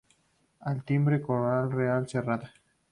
Al timbre, Corona Real cerrada.